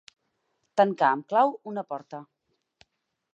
Tancar amb clau una porta.